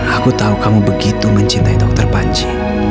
aku tau kamu begitu mencintai dokter panji